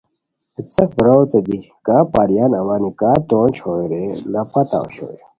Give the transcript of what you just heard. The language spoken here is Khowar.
ہے څیق براروت دی کا پریان اوانی کا تونج ہوئے رے لاپتہ اوشوئے